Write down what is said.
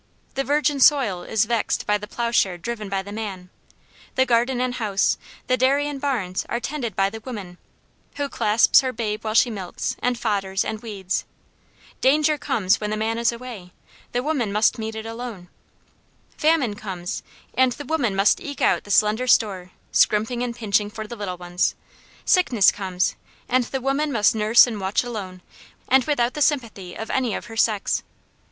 The virgin soil is vexed by the ploughshare driven by the man; the garden and house, the dairy and barns are tended by the woman, who clasps her babe while she milks, and fodders, and weeds. Danger comes when the man is away; the woman must meet it alone. Famine comes, and the woman must eke out the slender store, scrimping and pinching for the little ones; sickness comes, and the woman must nurse and watch alone, and without the sympathy of any of her sex.